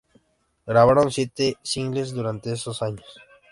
Grabaron siete singles durante esos años.